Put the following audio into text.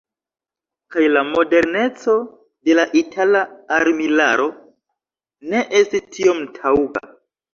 Kaj la moderneco de la itala armilaro ne estis tiom taŭga.